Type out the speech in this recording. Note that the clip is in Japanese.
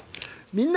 「みんな！